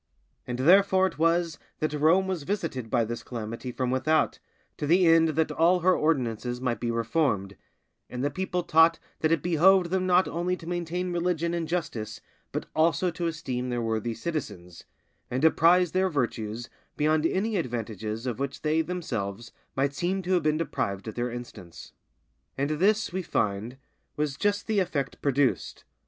And therefore it was that Rome was visited by this calamity from without, to the end that all her ordinances might be reformed, and the people taught that it behoved them not only to maintain religion and justice, but also to esteem their worthy citizens, and to prize their virtues beyond any advantages of which they themselves might seem to have been deprived at their instance. And this, we find, was just the effect produced.